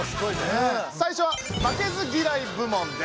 さいしょは負けず嫌い部門です。